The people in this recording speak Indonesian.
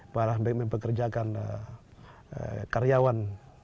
para mempekerjakan karyawan